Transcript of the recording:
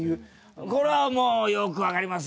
これはもうよくわかります。